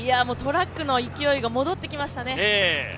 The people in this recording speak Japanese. トラックの勢いが戻ってきましたね。